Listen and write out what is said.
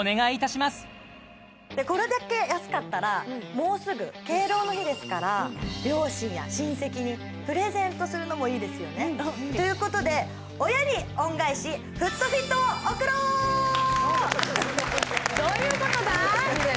もうすぐ敬老の日ですから両親や親戚にプレゼントするのもいいですよねということでどういうことだ？